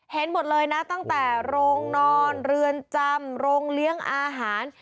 เห็นหมดเลยนะตั้งแต่โรงนอนเรือนจำโรงเลี้ยงอาหาร